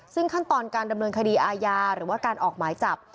ซึ่งขั้นตอนการดำเนินคดีอาญาหรือว่าการออกหมายจับ